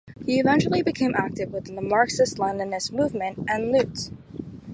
He eventually became active within the Marxist-Leninist movement "En lutte!".